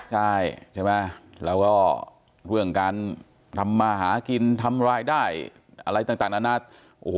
ใช่ใช่ไหมแล้วก็เรื่องการทำมาหากินทำรายได้อะไรต่างนานาโอ้โห